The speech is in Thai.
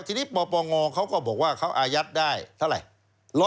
ทีนี้ปปงเขาก็บอกว่าเขาอายัดได้เท่าไหร่